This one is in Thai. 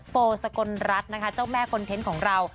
โฟสกลรัฐนะคะเจ้าแม่คอนเทนต์ของเรา